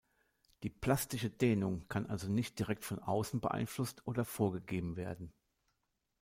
Die plastische Dehnung kann also nicht direkt von außen beeinflusst oder vorgegeben werden.